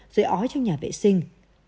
rồi ói trong nhà vệ sinh